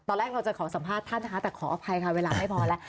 ตอนแรกเราจะขอสัมภาษณ์ท่านนะคะแต่ขออภัยค่ะเวลาไม่พอแล้ว